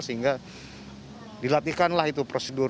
sehingga dilatihkanlah itu prosedur